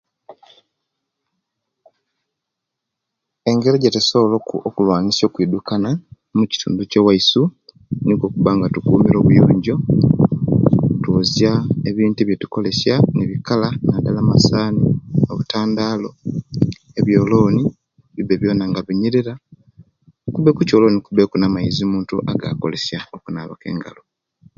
Ngeri ejitusobola okulwanisa okwiddukana omukitundu Kyo waisu nikwo okubanga tukumire obuyonjo toozya ebintu ebitukozesya nebikala nadala amasaani, obutandaalo, ebyolooni bibe byona nga binyirira kube okukyoloobi kubeku amaizi omuntu agakozesya okunaaba engalo.